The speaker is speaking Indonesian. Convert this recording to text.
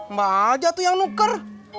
mbak aja tuh yang nuker